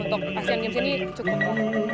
untuk asean games ini cukup